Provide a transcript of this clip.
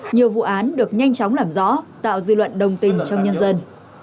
nhiều vụ án được nhanh chóng làm rõ tạo dư luận đồng tình trong nhân dân